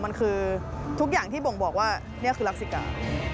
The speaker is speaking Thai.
มันคือทุกอย่างที่บ่งบอกว่านี่คือรักษิกา